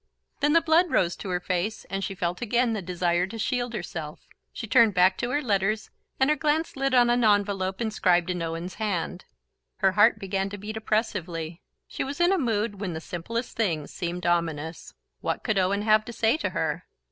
Then the blood rose to her face and she felt again the desire to shield herself. She turned back to her letters and her glance lit on an envelope inscribed in Owen's hand. Her heart began to beat oppressively: she was in a mood when the simplest things seemed ominous. What could Owen have to say to her?